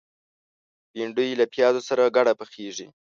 بېنډۍ له پیازو سره ګډه پخېږي